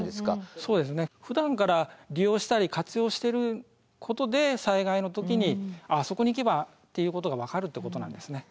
そうですね。ふだんから利用したり活用してることで災害の時にあそこに行けばっていうことが分かるってことなんですね。